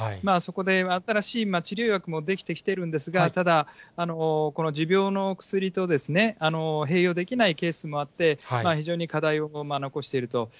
そこで新しい治療薬も出来てきてるんですが、ただ、この持病のお薬と併用できないケースもあって、非常に課題を残していると。